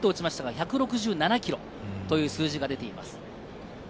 １６７キロという数字が出ています。